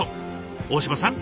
大嶋さん